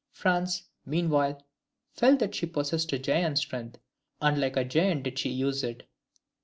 France, meanwhile, felt that she possessed a giant's strength, and like a giant did she use it.